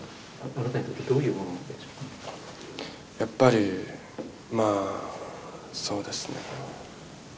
やっぱりまあそうですね。